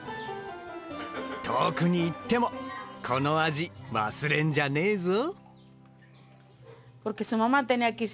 遠くに行ってもこの味忘れんじゃねえぞ。